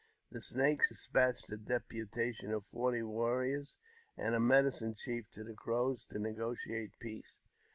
The Snakes despatched a deputation of forty warriors and a medicine chief to the Crows to negotiate peace.